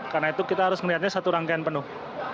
karena itu kita harus melihatnya satu rangkaian penuh